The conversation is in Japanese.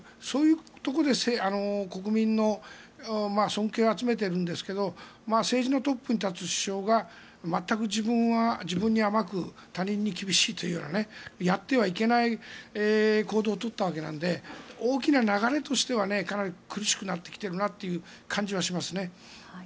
そういうところで国民の尊敬を集めているんですが政治のトップに立つ首相が全く自分に甘く他人に厳しいというようなやってはいけない行動を取ったわけなので大きな流れとしてはかなり苦しくなってきているなという感じはしますね。